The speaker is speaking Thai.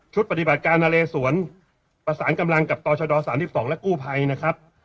ปฏิบัติการนาเลสวนประสานกำลังกับต่อชด๓๒และกู้ภัยนะครับ